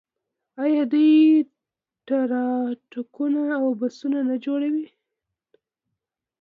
آیا دوی ټراکټورونه او بسونه نه جوړوي؟